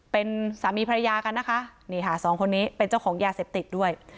เป็นสามีภรรยากันนะคะนี่ค่ะสองคนนี้เป็นเจ้าของยาเสพติดด้วย